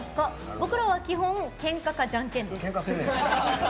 僕らは基本、けんかかじゃんけんです」。